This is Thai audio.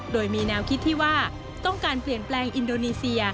โดยมีแนวคิดที่ว่าต้องการเปลี่ยนแปลงอินโดนีเซีย